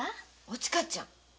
おちかちゃん。